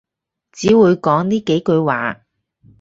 只會講呢幾句話